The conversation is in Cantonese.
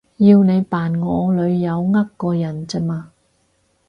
要你扮我女友呃個人咋嘛